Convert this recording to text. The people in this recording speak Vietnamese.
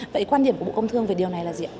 vậy quan điểm của bộ công thương về điều này là gì ạ